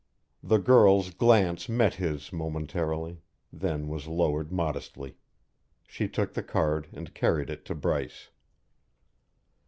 The girl's glance met his momentarily, then was lowered modestly; she took the card and carried it to Bryce.